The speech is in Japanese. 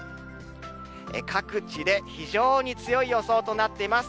各地で非常に強い予想となっています。